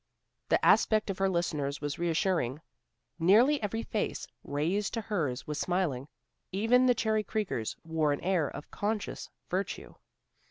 The aspect of her listeners was reassuring. Nearly every face raised to hers was smiling. Even the Cherry Creekers wore an air of conscious virtue.